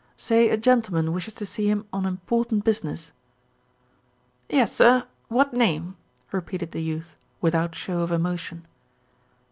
"Say a gentleman wishes to see him on important business." "Yes, sir. What name?" repeated the youth, with out show of emotion.